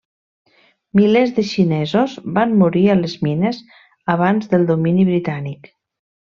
Milers de xinesos van morir a les mines abans del domini britànic.